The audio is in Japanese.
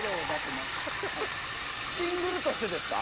シングルとしてですか？